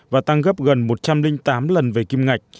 và tăng gấp gần một trăm linh tám lần về kim ngạch